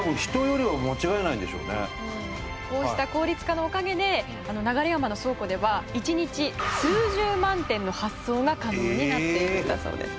こうした効率化のおかげで流山の倉庫では１日数十万点の発送が可能になっているんだそうです。